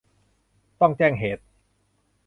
ต้องแจ้งเหตุ